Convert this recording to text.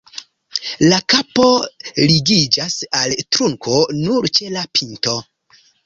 La kapo ligiĝas al trunko nur ĉe la pinto.